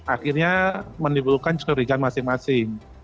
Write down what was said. akhirnya menimbulkan kecurigaan masing masing